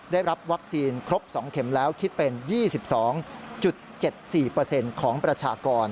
ได้รับวัคซีนครบ๒เข็มแล้วคิดเป็น๒๒๗๔ของประชากร